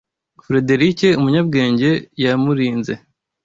Furederike Umunyabwenge yamurinze